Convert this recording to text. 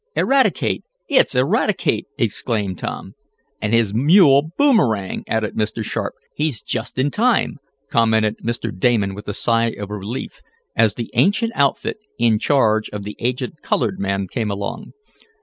"Eradicate! It's Eradicate!" exclaimed Tom. "And his mule, Boomerang!" added Mr. Sharp. "He's just in time!" commented Mr. Damon with a sigh of relief, as the ancient outfit, in charge of the aged colored man, came along.